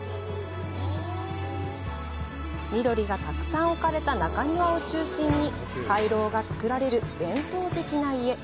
緑がたくさん置かれた中庭を中心に回廊がつくられる伝統的な家。